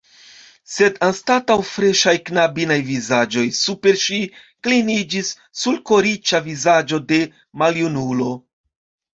Sed anstataŭ freŝaj knabinaj vizaĝoj super ŝi kliniĝis sulkoriĉa vizaĝo de maljunulo.